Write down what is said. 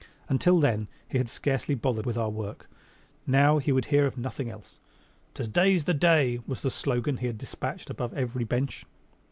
Until then, he had scarcely bothered with our work; now he would hear of nothing else. "Today's the Day!" was the slogan he had displayed above every bench.